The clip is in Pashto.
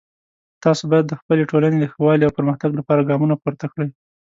تاسو باید د خپلې ټولنې د ښه والی او پرمختګ لپاره ګامونه پورته کړئ